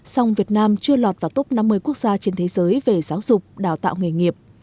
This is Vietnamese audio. song việt nam chưa lọt vào top năm mươi quốc gia trên thế giới về giáo dục đào tạo nghề nghiệp